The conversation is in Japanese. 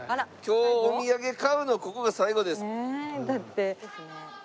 今日お土産買うのここが最後です。